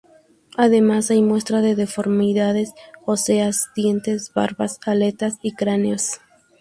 Además hay muestras de deformidades óseas, dientes, barbas, aletas y cráneos.